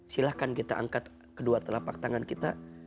silahkan kita angkat kedua telapak tangan kita